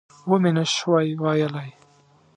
ومې نه شوای ویلای.